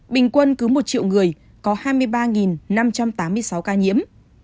bình quân cứ một triệu người có hai mươi ba năm trăm tám mươi sáu ca nhiễm